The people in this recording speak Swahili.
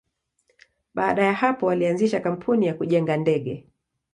Baada ya hapo, walianzisha kampuni ya kujenga ndege.